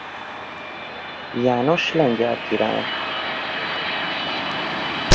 János lengyel király.